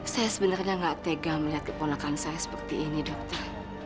saya sebenarnya nggak tega melihat keponakan saya seperti ini dokter